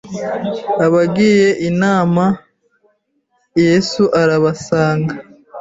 Abagiye inama, Yesu irabasanga